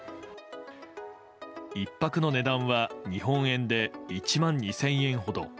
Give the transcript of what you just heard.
１泊の値段は日本円で１万２０００円ほど。